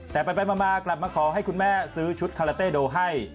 แต่ไปมากลับมาขอให้คุณแม่ซื้อชุดคาราเต้โดให้